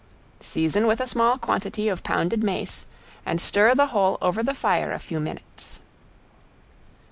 Season with a small quantity of pounded mace, and stir the whole over the fire a few minutes.